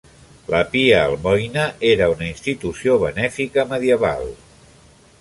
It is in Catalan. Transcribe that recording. La Pia Almoina era una institució benèfica medieval.